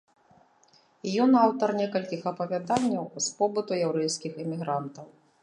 Ён аўтар некалькіх апавяданняў з побыту яўрэйскіх эмігрантаў.